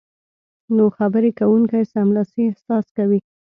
نو خبرې کوونکی سملاسي احساس کوي